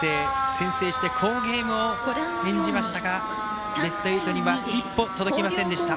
先制して好ゲームを演じましたがベスト８には一歩、届きませんでした。